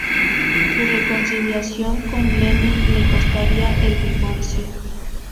Su reconciliación con Lenin le costaría el divorcio.